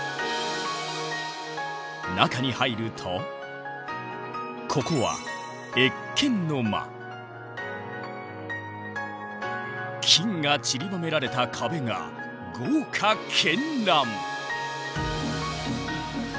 中に入るとここは金がちりばめられた壁が豪華絢爛。